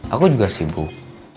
aku juga sibuk